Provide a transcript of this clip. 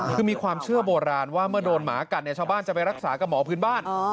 คือมีความเชื่อโบราณว่าเมื่อโดนหมากัดเนี่ยชาวบ้านจะไปรักษากับหมอพื้นบ้าน